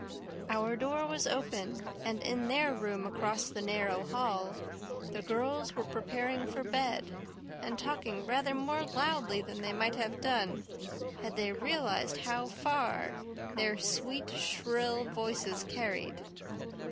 Our door was open and in their room across the narrow hall the girls were preparing for bed, and talking rather more loudly than they might have done had they realized how far their sweet, shrill voices carried.